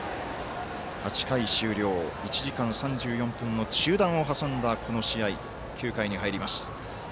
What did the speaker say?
１時間３４分の中断を挟んだこの試合、９回に入ります。